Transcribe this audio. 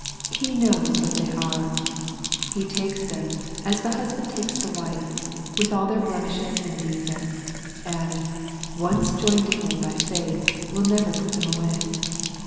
He knows what they are. He takes them, as the husband takes the wife, with all their blemishes and defects, and, once joined to Him by faith, will never put them away.